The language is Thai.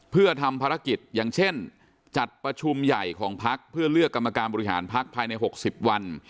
เพื่อทำภารกิจอย่างเช่นจัดประชุมใหญ่ของพักเพื่อเลือกกรรมการบริหารพักภายใน๖๐วัน